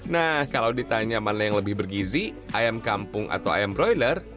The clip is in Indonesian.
nah kalau ditanya mana yang lebih bergizi ayam kampung atau ayam broiler